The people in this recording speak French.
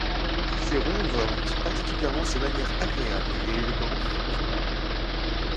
Cicéron vante particulièrement ses manières agréables et l'élégance de sa parole.